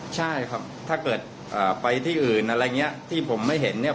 ใช่ครับถ้าเกิดไปที่อื่นอะไรอย่างนี้ที่ผมไม่เห็นเนี่ย